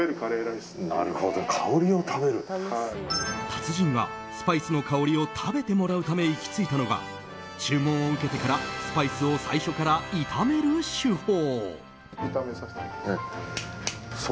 達人がスパイスの香りを食べてもらうために行き着いたのが注文を受けてからスパイスを最初から炒める手法。